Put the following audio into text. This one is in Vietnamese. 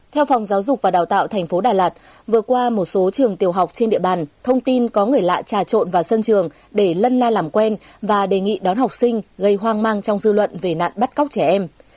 theo phòng giáo dục và đào tạo tp đà lạt vừa qua một số trường tiểu học trên địa bàn thông tin có người lạ trà trộn vào sân trường để lân la làm quen và đề nghị đón học sinh gây hoang mang trong dư luận về nạn bắt cóc trẻ em